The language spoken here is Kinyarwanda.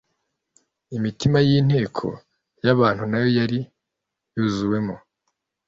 Imitima y'inteko y'abantu na yo yari yuzuwemo